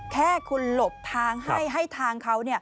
แค่คุณหลบทางให้ให้ทางเขา